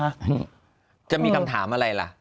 จะมีคำถามอะไรล่ะ